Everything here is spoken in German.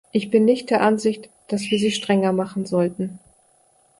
Ich bin nicht der Ansicht, dass wir sie strenger machen sollten.